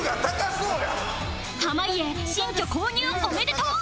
濱家新居購入おめでとう！